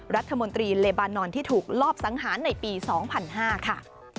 รัฐมนตรีเลบานอนที่ถูกลอบสังหารในปี๒๐๐๕ค่ะ